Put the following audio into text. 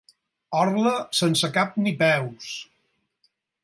Orla sense cap ni peus.